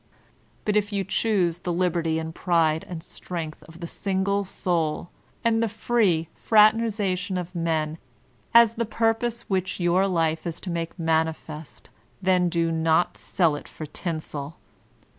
But if you choose the liberty and pride and strength of the single soul, and the free fraternization of men, as the purpose which your life is to make manifest, then do not sell it for tinsel.